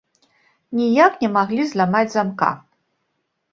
Ніяк не маглі зламаць замка.